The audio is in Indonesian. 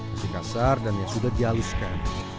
yang kasar dan yang sudah dialuskan